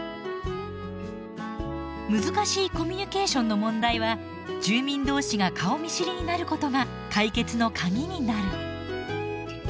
難しいコミュニケーションの問題は住民同士が顔見知りになることが解決の鍵になる。